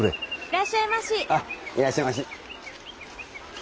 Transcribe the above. いらっしゃいまし。